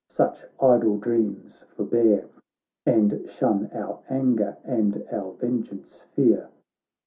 such idle dreams forbear, And shun our anger and our vengeance fear.'